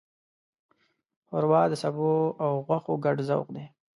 ښوروا د سبو او غوښو ګډ ذوق دی.